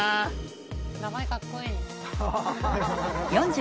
名前かっこいい。